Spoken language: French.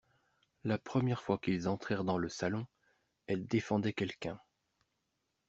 La première fois qu'ils entrèrent dans le salon, elle défendait quelqu'un.